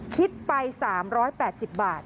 คิดไป๓๘๐บาท